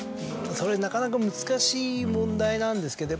それなかなか難しい問題なんですけど。